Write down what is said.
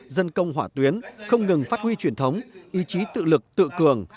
dân công hỏa tuyến không ngừng phát huy truyền thống ý chí tự lực tự cường